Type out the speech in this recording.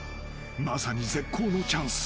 ［まさに絶好のチャンス］